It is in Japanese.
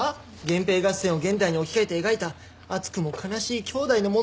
源平合戦を現代に置き換えて描いた熱くも悲しい兄弟の物語です。